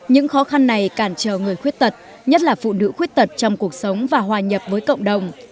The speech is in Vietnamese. những khó khăn này cản trở người khuyết tật nhất là phụ nữ khuyết tật trong cuộc sống và hòa nhập với cộng đồng